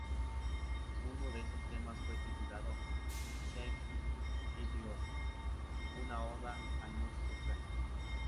Uno de esos temas fue titulado "Shake It Off", una oda al músico Prince.